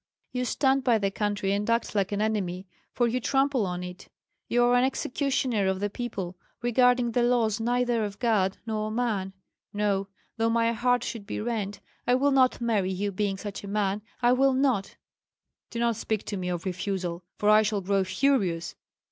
"You stand by the country and act like an enemy, for you trample on it. You are an executioner of the people, regarding the laws neither of God nor man. No! though my heart should be rent, I will not marry you; being such a man, I will not!" "Do not speak to me of refusal, for I shall grow furious.